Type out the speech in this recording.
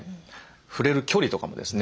触れる距離とかもですね